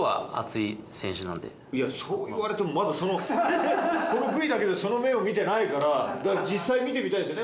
いやそう言われてもまだそのこのＶだけでその面を見てないから実際見てみたいですよね